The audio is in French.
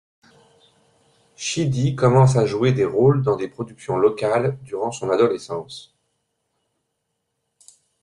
Sheedy commence à jouer des rôles dans des productions locales durant son adolescence.